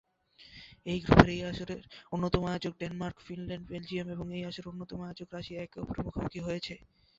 এই গ্রুপে এই আসরের অন্যতম আয়োজক ডেনমার্ক, ফিনল্যান্ড, বেলজিয়াম এবং এই আসরের অন্যতম আয়োজক রাশিয়া একে অপরের মুখোমুখি হয়েছে।